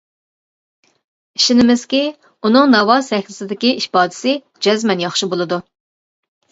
ئىشىنىمىزكى ئۇنىڭ ناۋا سەھنىسىدىكى ئىپادىسى جەزمەن ياخشى بولىدۇ.